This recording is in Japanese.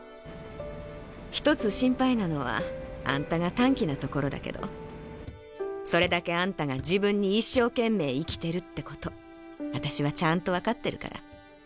「ひとつ心配なのはあんたが短気なところだけどそれだけあんたが自分に一生懸命生きてるってことあたしはちゃんとわかってるから。